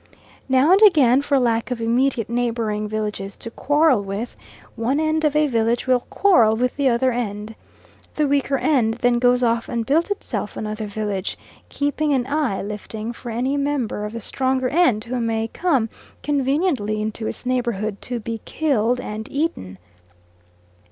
Now and again, for lack of immediate neighbouring villages to quarrel with, one end of a village will quarrel with the other end. The weaker end then goes off and builds itself another village, keeping an eye lifting for any member of the stronger end who may come conveniently into its neighbourhood to be killed and eaten.